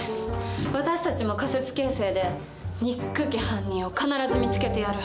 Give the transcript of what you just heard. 私たちも仮説形成でにっくき犯人を必ず見つけてやる。